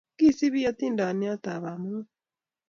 Kisipi atindonyot ab Bamongo